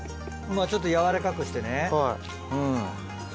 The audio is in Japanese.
ちょっと軟らかくしてねうん。